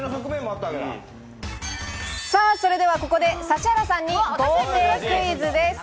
それではここで指原さんに豪邸クイズです。